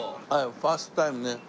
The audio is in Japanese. ファーストタイムね。